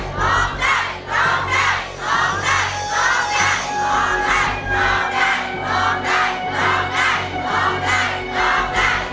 พร้อมได้หรือว่าร้องผิดครับ